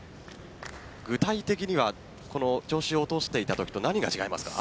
具体的には調子を落としていたときと何が違いますか？